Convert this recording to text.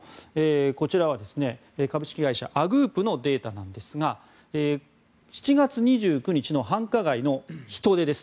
こちらは株式会社Ａｇｏｏｐのデータですが７月２９日の繁華街の人出です。